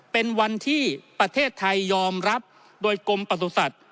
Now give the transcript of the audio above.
เป็นวันที่ประเทศไทยยอมรับโดยกรมประสุทธิ์